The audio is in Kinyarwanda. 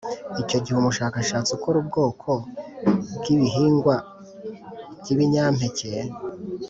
Icyo Gihe Umushakashatsi Ukora Ubwoko Bw Ibihingwa byibinyameke